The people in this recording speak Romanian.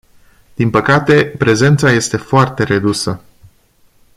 Din păcate, prezența este foarte redusă.